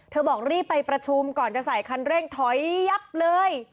บอกรีบไปประชุมก่อนจะใส่คันเร่งถอยยับเลย